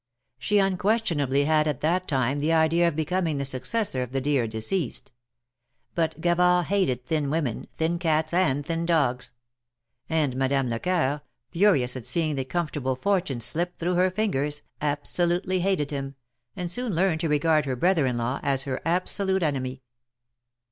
She unquestionably had at that time the idea of becoming the successor of the dear deceased. But Gavard hated thin women, thin cats and thin dogs; and Madame Lecoeur, furious at seeing the comfortable fortune slip through her fingers, absolutely THE MARKETS OF PARIS. 89 hated him, and soon learned to regard her brother in law as her absolute enemy.